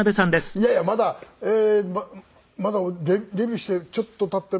いやいやまだまだデビューしてちょっと経った。